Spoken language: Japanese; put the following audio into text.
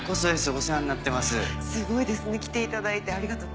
お世話になっすごいですね来ていただいてありがと